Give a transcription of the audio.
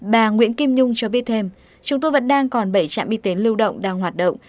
bà nguyễn kim nhung cho biết thêm chúng tôi vẫn đang còn bảy trạm y tế lưu động đang hoạt động